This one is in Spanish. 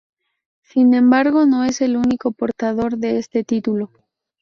Sin embargo, no es el único portador de este título.